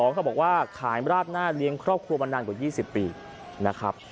เขาบอกว่าขายราดหน้าเลี้ยงครอบครัวมานานกว่า๒๐ปีนะครับ